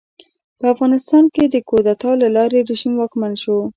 په افغانستان کې د کودتا له لارې رژیم واکمن شو.